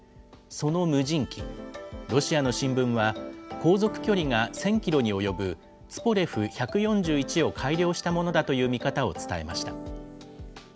その無人機、ロシアの新聞は、航続距離が１０００キロに及ぶツポレフ１４１を改良したものだという見方を伝えました。